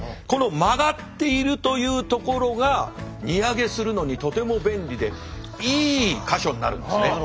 この曲がっているという所が荷揚げするのにとても便利でいい箇所になるんですね。